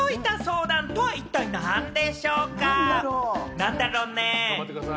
何だろう？